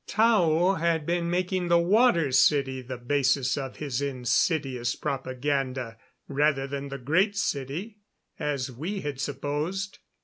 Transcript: Tao had been making the Water City the basis of his insidious propaganda, rather than the Great City, as we had supposed.